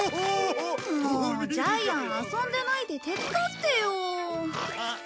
もうジャイアン遊んでないで手伝ってよ。